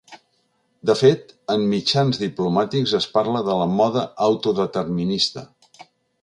De fet, en mitjans diplomàtics es parla de la ‘moda’ autodeterminista.